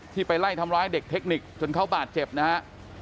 ไปไล่ทำร้ายเด็กเทคนิคจนเขาบาดเจ็บนะฮะ